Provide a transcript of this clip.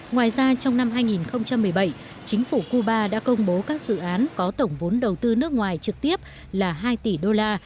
ngoài ra trong năm hai nghìn một mươi bảy chính phủ cuba đã công bố các dự án có tổng vốn đầu tư nước ngoài trực tiếp là hai tỷ đô la